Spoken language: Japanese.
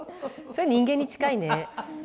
それ人間に近いね。